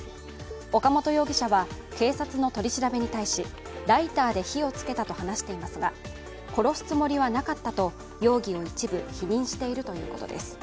岡本容疑者は警察の取り調べに対しライターで火を付けたと話していますが殺すつもりはなかったと容疑を一部否認しているということです。